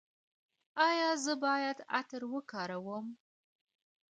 ایا زه باید عطر وکاروم؟